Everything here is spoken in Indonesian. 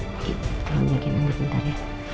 oke tolong bagiin nanti bentar ya